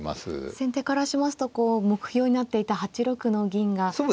先手からしますとこう目標になっていた８六の銀が９七に。